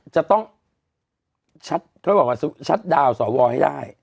จะต้องชัดดาวน์สวให้ได้